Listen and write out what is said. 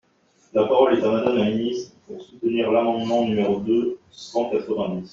La parole est à Madame la ministre, pour soutenir l’amendement numéro deux cent quatre-vingt-dix.